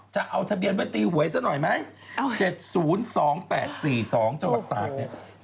จะเอาทะเบียนไว้ตีหวยซะหน่อยไหม๗๐๒๘๔๒จังหวัดตากเนี่ย